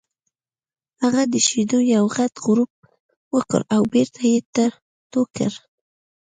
هغه د شیدو یو غټ غوړپ وکړ او بېرته یې تو کړ